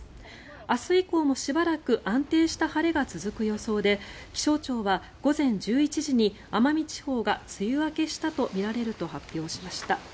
明日以降もしばらく安定した晴れが続く予想で気象庁は午前１１時に奄美地方が梅雨明けしたとみられると発表しました。